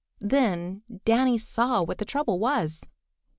Then Danny saw what the trouble was.